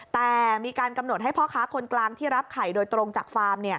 แต่มีการกำหนดให้พ่อค้าคนกลางที่รับไข่โดยตรงจากฟาร์ม